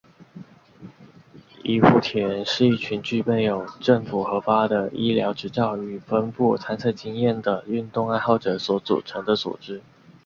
医护铁人是一群具备有政府核发的医疗执照与丰富参赛经验的运动爱好者所组成的组织。